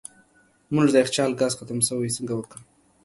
زموږ د یخچال ګاز ختم سوی څنګه وکم